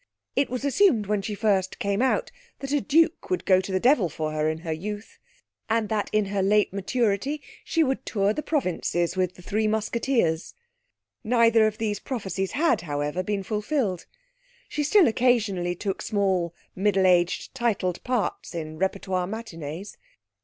It was assumed when she first came out that a duke would go to the devil for her in her youth, and that in her late maturity she would tour the provinces with The Three Musketeers. Neither of these prophecies had, however, been fulfilled. She still occasionally took small middle aged titled parts in repertoire matinees.